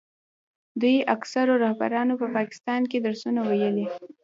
دوی اکثرو رهبرانو په پاکستان کې درسونه ویلي.